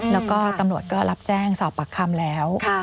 แล้วก็ตำรวจก็รับแจ้งสอบปากคำแล้ว